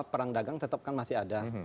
perang dagang tetap kan masih ada